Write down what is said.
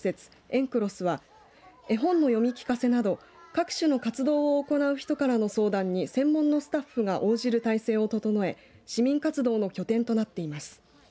エンクロスは絵本の読み聞かせなど各種の活動を行う人からの相談に専門のスタッフが応じる態勢を整え市民活動の拠点となっています。